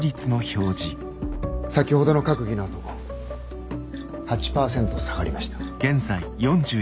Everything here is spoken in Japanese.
先ほどの閣議のあと８％下がりました。